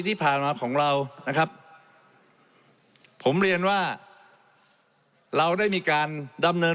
ที่ผ่านมาของเรานะครับผมเรียนว่าเราได้มีการดำเนิน